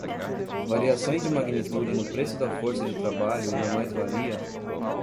Variações de magnitude no preço da força de trabalho e na mais-valia